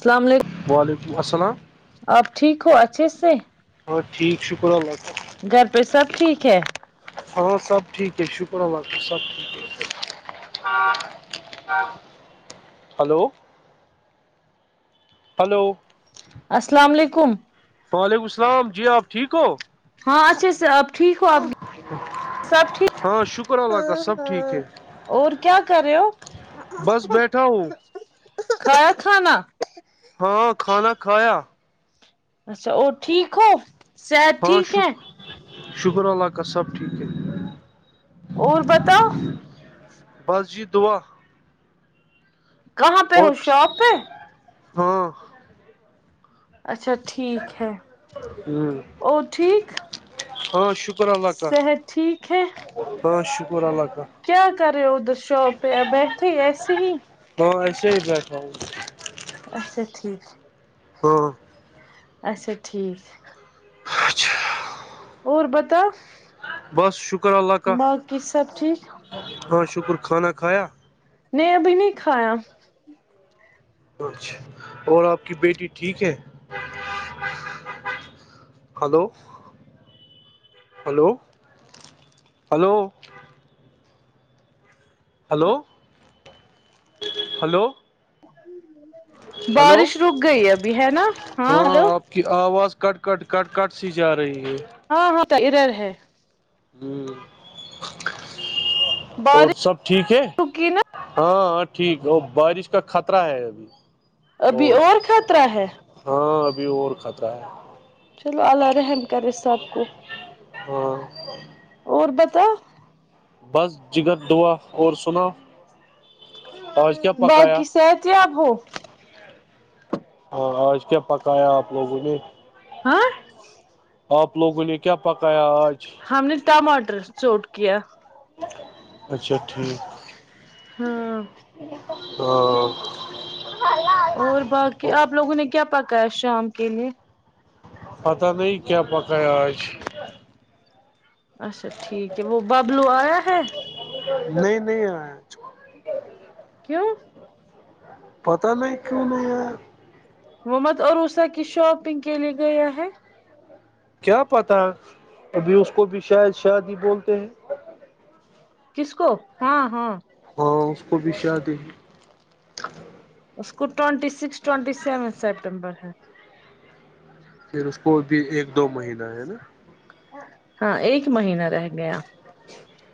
اللام وعلیکم السلام علیکم آپ ٹھیک ہو اچھے سے ہاں ٹھیک شکر اللہلہ گھر پہ سب ٹھیک ہے ہاں سب ٹھیک ہے شکر اللہاکہ سب ٹھیک ہے ہلو [inaudible] ہلو السلام علیکم وعلیکم السلام جی آپ ٹھیک ہو ہاں اچھا ا سر آپ ٹھیک ہو آپ سب ٹھیک ہاں شکر ہ اللہ کا سب ٹھیک ہاں ہے اور کیا کر رہے ہو بس بیٹھا ہوں خ کھانا [inaudible] ہاں کھانا کھایا اچھا اور ٹھیک ہو صحت ہاں ٹھیک ہے شکر شکر اللہ کا سب ٹھیک ہے اورور بتاؤ بس جی دعا کہاں پہ ہے اور شاپ پہ ہاں اچھا ٹھیک ہے اور ٹھیک ہاں شکر اللہ کا صحت ٹھیک ہاں شکر اللہ کاا کیایا کرے ادھر شاپ بیٹھ ایسے ہی ہاں ایسے ہی بیٹھا ہ اچھا ٹھیک ہاں اچھا ٹھیک اچھا اور بتا بس شکر اللہ کاہ باقی سب ٹھیک ہ شکر خھانہ کھایا نےب نہیں کھایا [unintelligible] اچھا اور آپ کی بیٹی ٹھیک ہے hello hello hello hello hello hello بارش رک گئی ابھی ہے نا ہاں ہلو کہ آواز کٹ کٹ کٹ کٹ سی جا رہی ہے ہاں ہاں ا رہ رہے [inaudible] ہ اور بارش سب ٹھیک ہے رکی نا ہاں ہاں ٹھیک ہے وہ بارش کا خطرہ ہے ابھی ابھی اور خطرہ ہے ہاں ابھی اور کھطا ہے [unintelligible] چلو اللہ رحم کر اس صدق کو [unintelligible] ہ [inaudible] اور بتا بس جگرگر دعا اور سنا آج کیا پکایا باقی صحت یاب ہو ہاں آوج کیا پکایا آپ لوگوں نے ہاں آپ لوگوں نے کیا پکایا آج ہم نے ٹماٹر چوٹ کیا [inaudible] اچھا ٹھیک ہاں تو اور باقی آپ لوگوں نے کیا پکایا شام کے لیے پتہ نہیں کیا پکایا آج اچھا ٹھیک ہے وہ ببلو آیا ہے نہیں نہیں آ کیوں پتہ نہیں کیا ہے وہ مت اروسا کی شاپنگ کے لیے گیا ہے کیا پتاہ ابھی اس کو بھی شاید شادی بولتے ہیں کس کو ہاں ہاں ہاں اس کو بھی شادی ہے اس کو twenty six twenty seven September ہے پھر اس کو بھی ایک دو مہینہ ہے نا ہاں ایک مہینہ رہ گیا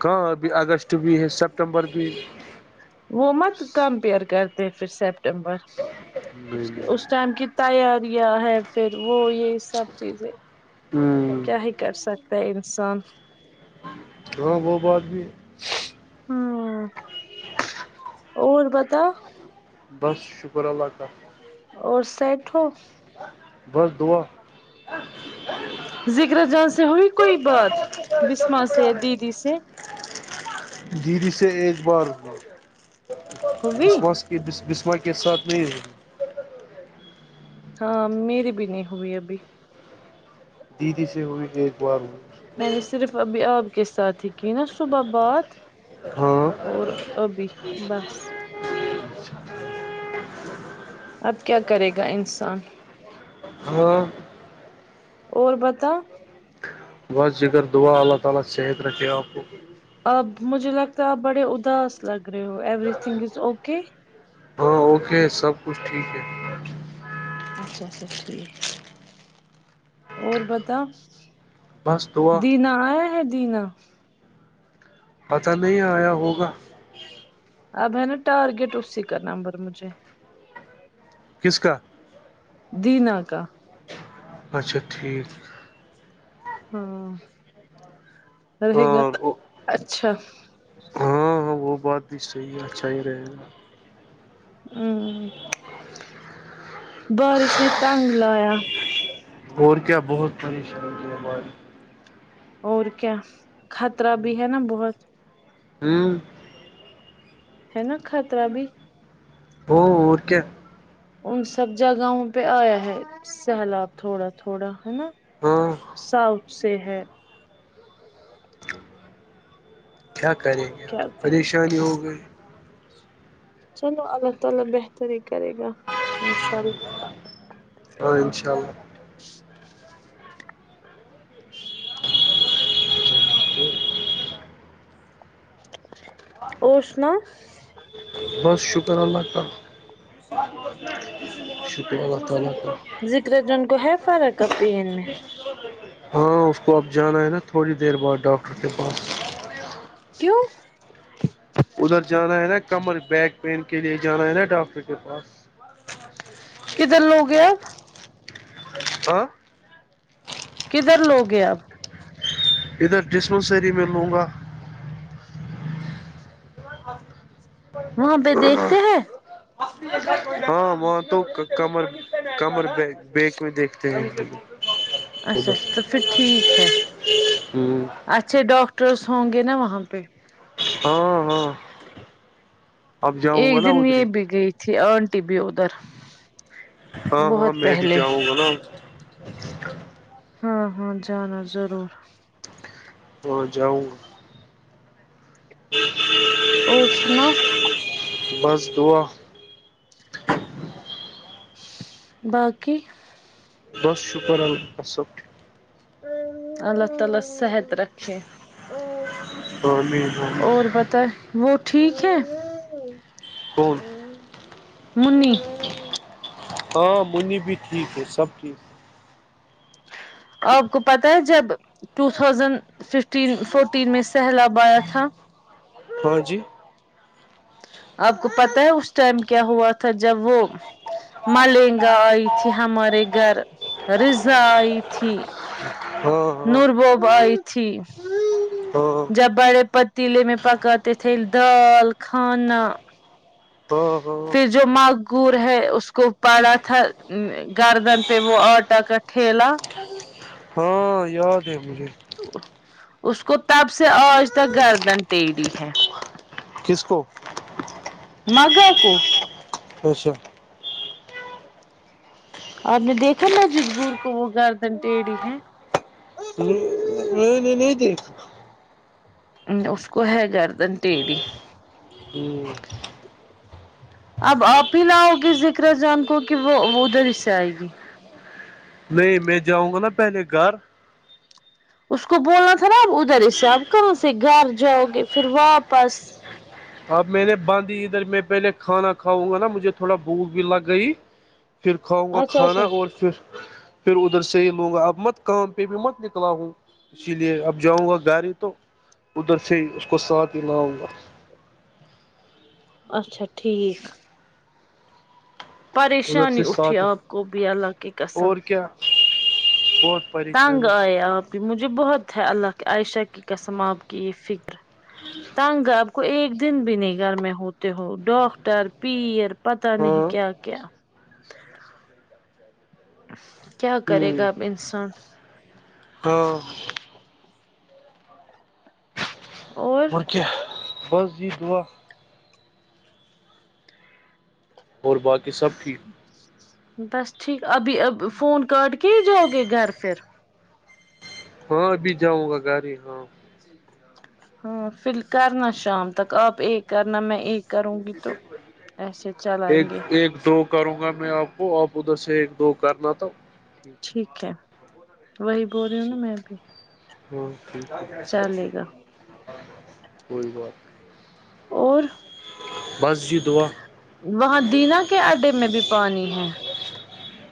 کہاں ابھی اگسٹ بھی ہے سپٹمبر بھی وہ مت کمپیئر کرتے پھر سپٹمبر نہیں نہیں ٹائم کی تیاریاں ہے پھر وہ یہ سب چیزیں ہوں کیا ہی کر سکتا ہے انسان ہاں وہ بات بھی ہوں اور پتا بس شکر اللہ تالی اور سیٹ ہو بس دوعا ذکرا جاں سے ہوئی کوئی بات بسما سے دیدی سے دیری سے ایک بار ہوئی کسمس بسما کے ساتھ نہیں ہے ہاں میری بھی نہیں ہوئی ابھی دیدی سے ہوئے ایک بار میں نے صرف ابھی آپ کے ساتھ ہی کی نا صبح بات ہاں اور ابھی بس [inaudible] اب کیا کرے گا انسان ہاں اور بت بس جگر دعا اللہ تعالی صحت رکھے اپ کو اب مجھے لگتا ہے آپ بڑے اداس لگ رہے ہو ایوری تھنگ از اوکے ہاں اوکے سب کچھ ٹھیک ہے اچھا اچھا ٹھیک اور بتا بس دعا دینا آیا ہے دینا پتا نہیں آیا ہوگا اب ہے نا ٹارگیٹ اسی کا نمبر مجھے کس کا دینا کا اچھا ٹھیک ہاں رہے گا اور اچھا ہاں ہاں وہ بات بھی صحیح ہے اچھا ہی رہے گا ہوں بارش نے تنگ لایا اور کیا بہت پریشانی ب اور کیا خطرہ بھی ہے نا بہت ہوں ہےا خطرہ بھی وہ کیا ان سب جگہوں پہ آیا ہے سیلاب تھوڑا تھوڑا ہے نا ہاں ساؤتھ سے ہے کیا کریں گے کیا کرے گا پریشانی ہو گئی [inaudible] [unintelligible] [inaudible] ہاں انشاء اللہ اور سنا [inaudible] ذکر جون کو ہے فرق اب پین میں ہاں اس کو اب جانا ہے نا تھوڑی دیر بعد ڈاکٹر کے پاس کیوں ادھر جانا ہے نا کمر بیک پین کے لیے جانا ہے نا ڈاکٹر کے پاس کدھر لوگ گیا ہاں کدھر لوگ ہیں آپ ادھر ڈسپنسری میں لوں گا وہاں پہ دیکھتے ہیں ا [unintelligible] [inaudible] ہاں وہاں تو کمر کمر بیک میں دیکھتے ہیںب ا تو اچھا اچھا پھر ٹھیک ہے ہوں اچھے ڈاکٹرس ہوں گے نا وہاں پہ ہاں ہاں اب جاؤں ایک گا نا دن ادھر یہ بھی گئی تھی آٹی بھی ادھر ہاں ہاں بہت میں بھی پہلے جاؤں گا نا ہاں ہاں جانا ضرور اور جاؤں گا اور سنا بس دعا باقی بس شکر اللہ صب اللہ تعالی صحت رکھے ٹھیک. آمین آمین. اور ب وہ ٹھیک ہے کون منی ہاں منی بھی ٹھیک ہے سب ٹھیک آپ کو پتہ ہے جب ٹو تھازینڈ ففٹین فورٹین میں سیلاب آیا تھا ہاں جی آپ کو پتا ہے اس ٹائم کیا ہوا تھا جب وہ ملنگا آئی تھی ہمارے گھر رزا آئی تھی ہاں ہاں نورب بئی ہاں جب بڑے پ تلے میں پکا ت تل دال کھانا ہ ہ پھر جو مگور ہے اس کو پڑا تھا گردن پ وہ آٹا کا ٹھیلہلا ہاں یاد ہے مجھے اس کو تب سے آج تک گردن تڑی ہے کسکو مگا کو اھا آپ نے دیکھا نا جد گور کو وہ گردن ٹیڑھی ہے نہیں نہیں نہیںتی اس کو ہے گردن ٹیڑی ہ اب آپ ہی لاؤ گے ذکر جان کو کہ وہ وہ ادھر اس سے آئے گی نہیں میں جاؤں گا نا پہلے گھر اس کو بولنا تھا نا اب ادھر اس سے آپ کہاں سے گھر جاؤ گے پھر واپس اب میں نے باندھھی ادھر میں پہلے کھانا کاؤ گا نا مجھے تھوڑا بھوک بھی لگ گئی پھر کھاؤں گا اچھا کھانا اچھا اور پھر پھر ادھر سے ہی لوں گا اب مت کام پہ بھی مت نکلا ہوں اسی لیے اب جاؤں گا گاڑی تو ادھر سے ہی اس کو ساتھ ہی لاؤں گا اچھا ٹھیک ادھر پریشانی سے اٹھی ساتھ آپ کو بھی اللہ کی قسم پٹ تنگ آئے آپ کی مجھے بہت ہے اللہ عائشہ کی قسم آپ کی یہ فکر تنگ آپ کو ایک دن بھی نہیں گھر میں ہوتے ہو ڈاکٹر پیر پتا ہاں نہیں کیا کیا کیا ہ کرے گا اب انسان ہ اور کیا بض یہ دعا اور باقی سب ٹھیک بس ٹھیک ابھی اب فون کاٹ کے ہی جاؤ گے گھر پھر ہاں ابھی جاؤں گا گاڑی ہاں ہاں پھر کرنا شام تک آپ ایک کرنا میں ایک کروں گی تو ایسے ایک چلائیں گے ایک دو کروں گا میں آپ کو آپ ادھر سے ایک دو کرنا تھا ٹھیک ہے وہی بول رہی ہوں نا میں بھی ہ ٹھیک چلے گا ہو اور بس جی دعا وہاں دینا کے اڈے میں بھی پانی ہے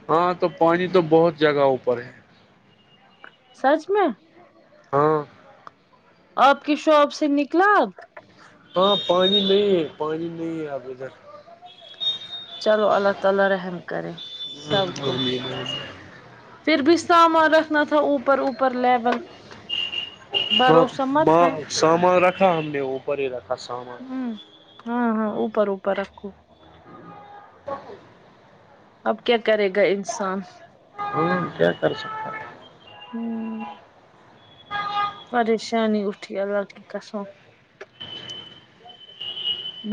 ہاں تو پانی تو بہت جگہوں پر ہے سچ میں ہاں آپ کی شاپ سے نکلا ہاں پانی نہیں ہے پانی نہیں ہے اب ادھر چلو اللہ تعالی رحم کرے سب کو پھر بھی سامان رکھنا تھا تھا اوپر اوپر لیول بھروسہ مت ہاں ہے سامان رکھا ہم نے اوپر ہی رکھا سامان ہوں ہاں ہاں اوپر اوپر رکھو ا اب کیا کرے گا انسان ہاں کیا کر سکتا ہوں ہاں ہاں پریشانی اٹھی اللہ کی کسوں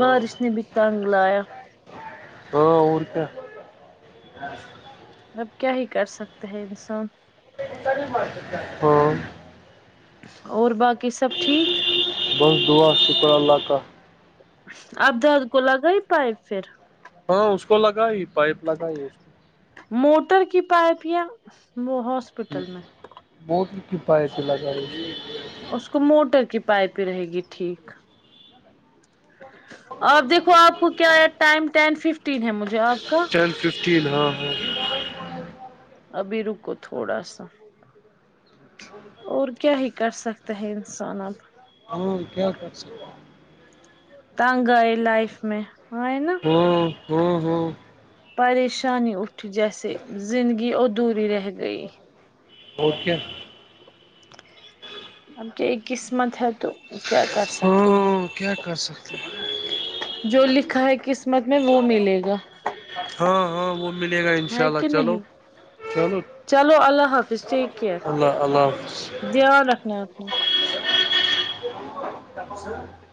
ہاں نے بھی تنگ لایا تو اور کیا اب کیا ہی کر سکتے ہیں انسان ہوں اور باقی سب ٹھیک [unintelligible] ابداد کو لگا ہی پائے پھر ہاں اس کو لگائی پائپ لگائی اس کو موٹر کی پائپ یا وہ ہاسپٹل میں موٹر کی پائے چلا جائی اس کو موٹر کی پائپ ہی رہے گی ٹھیک آپ دیکھو آپ کو کیا ٹائم ٹین ففٹین ہے مجھے آپ کا ٹین ففٹین ہاں ہاں ابھی رکو تھوڑا سا اور کیا ہی کر سکتا ہے انسان اب کیا کر تنگ ہے لائف میں آئے نا ہوں ہوں ہوں پریشانی اھی جیسے زندگی ادھوری رہ گئی اور کیا اب کی ایک قسمت ہے تو کیا کر سکتے ہیں ہاں کیا کر سکتے ہیں جو لکھا ہے قسمت میں وہ ملے گا ہاں ہاں وہ ملے گا ان شاء ہے اللہ کہ چلو نہیں چلو چلو اللہ حافظ ٹیک کیئر اللہ اللہ حافظ دھیان رکھنا ہے اپنا پیس